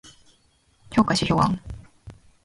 評価指標案